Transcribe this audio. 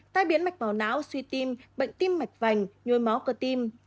tai biến mạch màu não suy tim bệnh tim mạch vành nhôi máu cơ tim